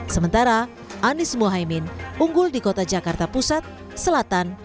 sementara anies mohaimin unggul di kota jakarta pusat selatan